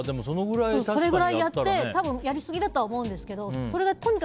そのぐらいやってやりすぎだとは思うんですけど。